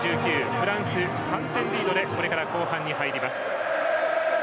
フランス３点リードでこれから後半に入ります。